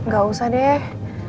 gak usah deh